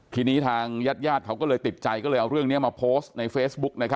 ทีนี้ทางญาติญาติเขาก็เลยติดใจก็เลยเอาเรื่องนี้มาโพสต์ในเฟซบุ๊ก